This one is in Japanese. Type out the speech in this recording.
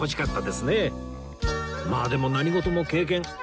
まあでも何事も経験